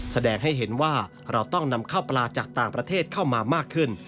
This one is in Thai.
แสดงให้เห็นว่าเราต้องนำข้าวปลาจากต่างประเทศเข้ามามากขึ้น